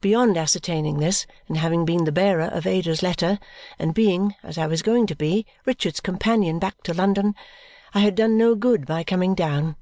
Beyond ascertaining this, and having been the bearer of Ada's letter, and being (as I was going to be) Richard's companion back to London, I had done no good by coming down.